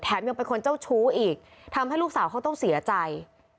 ยังเป็นคนเจ้าชู้อีกทำให้ลูกสาวเขาต้องเสียใจ